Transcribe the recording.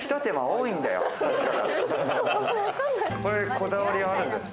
こだわりあるんですか？